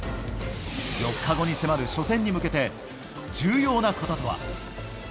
４日後に迫る初戦に向けて、重要なこととは。